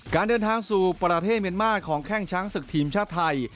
การเดินทางสู่ประเทศเมียนมาร์ของแข้งช้างศึกทีมชาติไทย